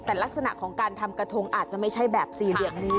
แต่ลักษณะของการทำกระทงอาจจะไม่ใช่แบบสี่เหลี่ยมนี้